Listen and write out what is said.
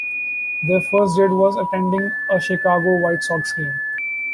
Their first date was attending a Chicago White Sox game.